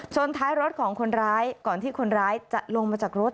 ท้ายรถของคนร้ายก่อนที่คนร้ายจะลงมาจากรถ